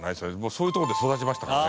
そういう所で育ちましたからね。